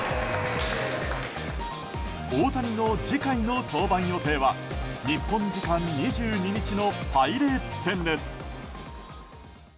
大谷の次回の登板予定は日本時間２２日のパイレーツ戦です。